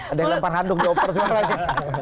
ada yang loper hadung loper suaranya